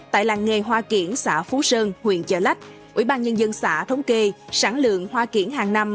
tại làng nghề hoa kiển xã phú sơn huyện chợ lách ủy ban nhân dân xã thống kê sản lượng hoa kiển hàng năm